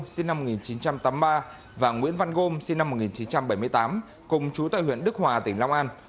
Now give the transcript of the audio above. sinh năm một nghìn chín trăm tám mươi ba và nguyễn văn gôm sinh năm một nghìn chín trăm bảy mươi tám cùng chú tại huyện đức hòa tỉnh long an